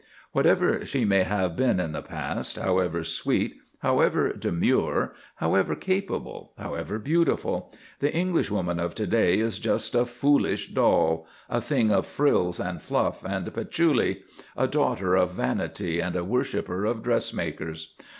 Whatever she may have been in the past, however sweet, however demure, however capable, however beautiful, the Englishwoman of to day is just a foolish doll, a thing of frills and fluff and patchouli, a daughter of vanity, and a worshipper of dressmakers.